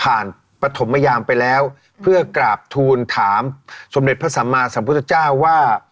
ผ่านประถมมะยามไปแล้วเพื่อกราบทูลถามสมเด็จพระสมาธิสัมพุทธเจ้าว่า